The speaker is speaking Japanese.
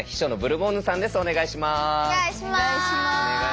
お願いします。